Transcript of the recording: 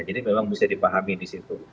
jadi memang bisa dipahami di situ